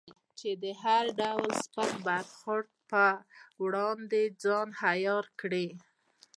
چې د هر ډول سپک برخورد پر وړاندې ځان عیار کړې.